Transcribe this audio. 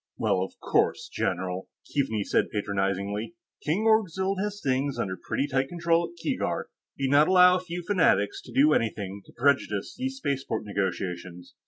"Well, of course, general," Keaveney said patronizingly. "King Orgzild has things under pretty tight control at Keegark. He'd not allow a few fanatics to do anything to prejudice these spaceport negotiations."